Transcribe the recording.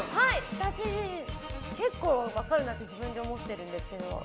私、結構分かるなって自分で思ってるんですけど。